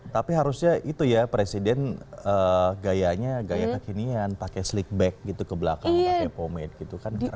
tapi harusnya itu ya presiden gayanya kakinian pake slik bag gitu ke belakang pake pomade gitu kan keren